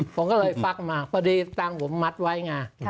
ผมก็เลยฟักมาพอดีตังค์ผมมัดไว้ไง